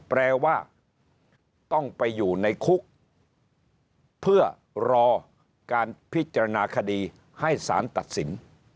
แปลว่าต้องไปอยู่ในคุกเพื่อรอการพิจารณาคดีให้สารตัดสิน